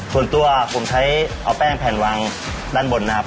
ส่วนตัวผมใช้เอาแป้งแผ่นวางด้านบนนะครับ